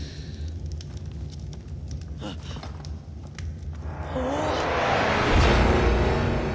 あっおおっ。